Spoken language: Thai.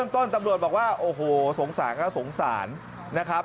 ต้นตำรวจบอกว่าโอ้โหสงสารก็สงสารนะครับ